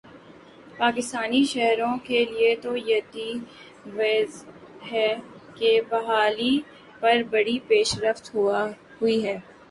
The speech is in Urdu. پاکستانی شہریوں کے لیے کویتی ویزے کی بحالی پر بڑی پیش رفت ہوئی ہےا